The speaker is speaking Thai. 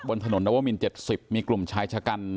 บนถนนนัวว่ามิน๗๐มีกลุ่มใช้ชะกัน